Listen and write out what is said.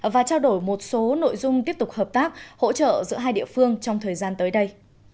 và trao đổi một số nội dung tiếp tục hợp tác hỗ trợ giữa hai địa phương trong thời gian tới đây